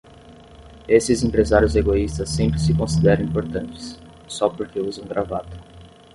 Esses empresários egoístas sempre se consideram importantes, só porque usam gravata.